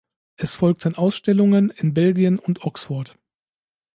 Es folgten Ausstellungen in Belgien und Oxford.